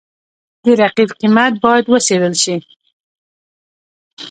د رقیب قیمت باید وڅېړل شي.